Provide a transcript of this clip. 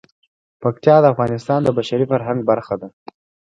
پکتیا د افغانستان د بشري فرهنګ برخه ده.